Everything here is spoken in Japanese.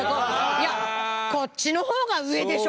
「いやこっちの方が上でしょ。